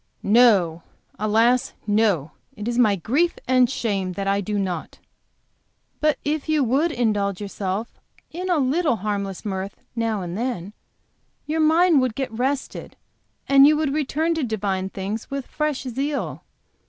"No, alas, no. It is my grief and shame that I do not." "But if you would indulge yourself in a little harmless mirth now and then, your mind would get rested and you would return to divine things with fresh zeal.